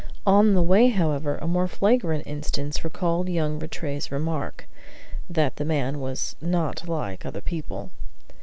On the way, however, a more flagrant instance recalled young Rattray's remark, that the man was "not like other people."